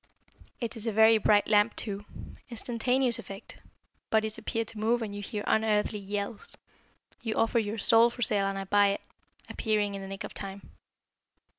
It is a very bright lamp, too. Instantaneous effect bodies appear to move and you hear unearthly yells you offer your soul for sale and I buy it, appearing in the nick of time?